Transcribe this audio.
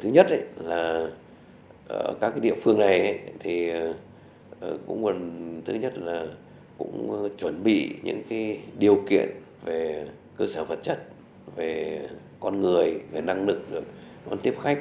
thứ nhất là ở các cái địa phương này thì cũng cần thứ nhất là cũng chuẩn bị những cái điều kiện về cơ sở vật chất về con người về năng lực được đón tiếp khách